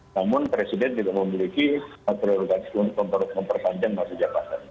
namun presiden tidak memiliki perurutan yang mempertanjang masa jangka